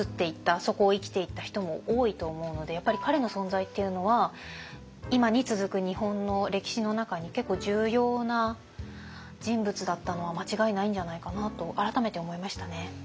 そこを生きていった人も多いと思うのでやっぱり彼の存在っていうのは今に続く日本の歴史の中に結構重要な人物だったのは間違いないんじゃないかなと改めて思いましたね。